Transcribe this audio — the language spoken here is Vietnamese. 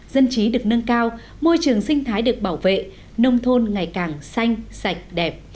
dân trí được nâng cao môi trường sinh thái được bảo vệ nông thôn ngày càng xanh sạch đẹp